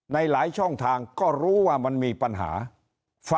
ในหลายช่องทางก็รู้ว่ามันมีปัญหา